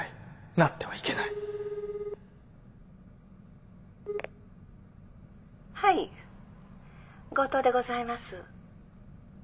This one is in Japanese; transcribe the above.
なってはいけない☎☎はい五島でございます。